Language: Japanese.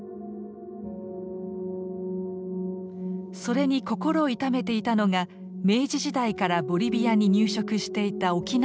それに心を痛めていたのが明治時代からボリビアに入植していた沖縄の人たち。